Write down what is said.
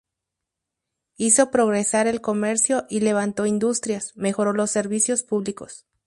Hizo progresar el comercio y levantó industrias, mejoró los servicios públicos.